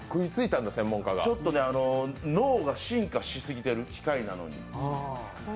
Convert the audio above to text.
ちょっとね、脳が進化しすぎている機械なので。